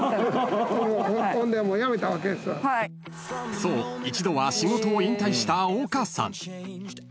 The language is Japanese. ［そう一度は仕事を引退した岡さん］